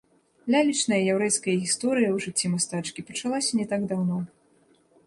Лялечная яўрэйская гісторыя ў жыцці мастачкі пачалася не так даўно.